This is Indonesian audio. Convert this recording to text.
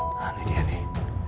nah ini dia nih